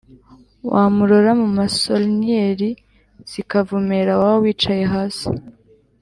Wamurora mu masoInyeri zikavumera, Waba wicaye hasi